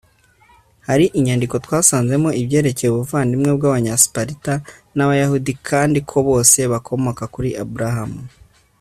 hari inyandiko twasanzemo ibyerekeye ubuvandimwe bw'abanyasiparita n'abayahudi, kandi ko bose bakomoka kuri abrahamu